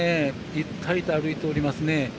ゆったりと歩いておりますね。